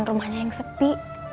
rumahnya yang sepi